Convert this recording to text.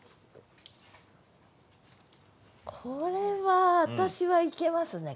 これは私はいけますね